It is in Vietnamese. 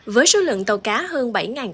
với số lượng tàu cá hơn bảy tám trăm linh